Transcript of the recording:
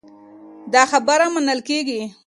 دا خبره منل کېږي.